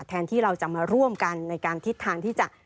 แทนที่เราจะมาร่วมกันในการทิศทางที่จะ